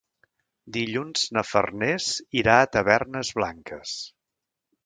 Dilluns na Farners irà a Tavernes Blanques.